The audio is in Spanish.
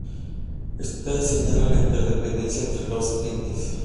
Esta señala la interdependencia entre los entes.